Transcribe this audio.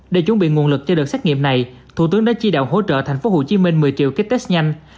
để chuẩn bị nguồn lực cho đợt xét nghiệm này thủ tướng đã chi đạo hỗ trợ tp hcm một mươi triệu kích test nhanh